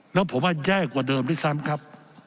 แล้วผมว่าแย่กว่าเดิมด้วยซ้ำครับ